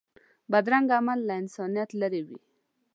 بدرنګه عمل له انسانیت لرې وي